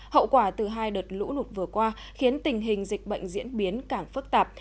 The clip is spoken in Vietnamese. hậu quả từ hai đợt lũ lụt vừa qua khiến tình hình dịch bệnh diễn biến càng phức tạp